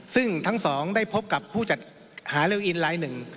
ซึ่งทั้งสองได้พบกับผู้จัดหาเร็วอินลายหนึ่ง